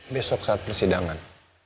besok saat persidangan